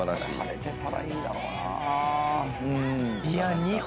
晴れてたらいいんだろうな。